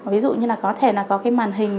ví dụ như là có thể là có cái màn hình